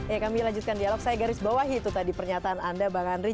ya kami lanjutkan dialog saya garis bawahi itu tadi pernyataan anda bang andri